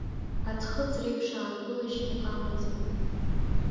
Аӡхыҵреиԥш аанкылашьагьы амаӡам.